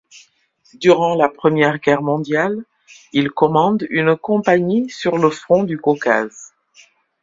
Durant la Première Guerre mondiale, il commande une compagnie sur le Front du Caucase.